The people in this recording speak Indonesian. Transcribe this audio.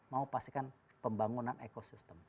mau pastikan pembangunan ecosystem